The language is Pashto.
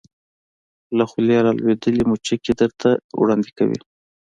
له خولې را لویدلې مچکې درته وړاندې کوې